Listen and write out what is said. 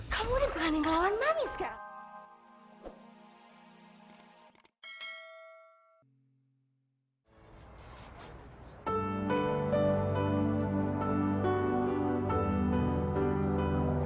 kamu diperanin ke lawan mami sekali